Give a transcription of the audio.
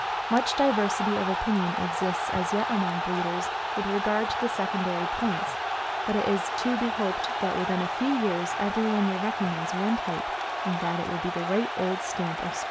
Much diversity of opinion exists as yet among breeders with regard to the secondary points; but it is to be hoped that within a few years everyone will recognize one type, and that it will be the right old stamp of Spits.